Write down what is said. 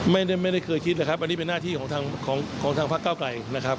ไม่ได้เคยคิดเลยครับอันนี้เป็นหน้าที่ของทางพักเก้าไก่นะครับ